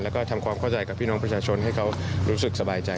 แล้วก็ทำความเข้าใจกับพี่น้องประชาชนให้เขารู้สึกสบายใจ